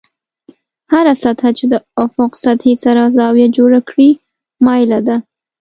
هره سطحه چې د افق سطحې سره زاویه جوړه کړي مایله ده.